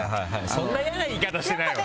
そんな嫌な言い方してないわ！